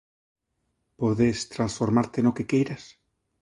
Podes transformarte no que queiras?